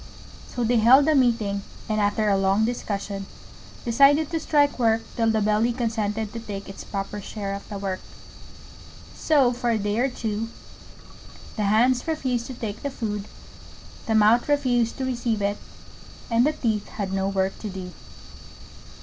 So they held a meeting, and after a long discussion, decided to strike work till the Belly consented to take its proper share of the work. So for a day or two the Hands refused to take the food, the Mouth refused to receive it, and the Teeth had no work to do.